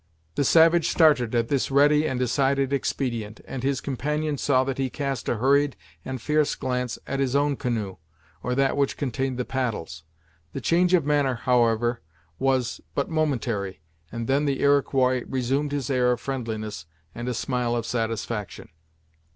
The savage started at this ready and decided expedient, and his companion saw that he cast a hurried and fierce glance at his own canoe, or that which contained the paddles. The change of manner, however, was but momentary, and then the Iroquois resumed his air of friendliness, and a smile of satisfaction.